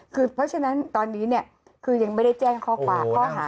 คือเพราะฉะนั้นตอนนี้คือยังไม่ได้แจ้งข้อหา